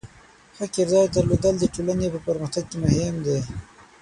د ښه کردار درلودل د ټولنې په پرمختګ کې مهم دی.